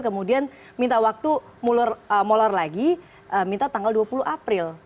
kemudian minta waktu molor lagi minta tanggal dua puluh april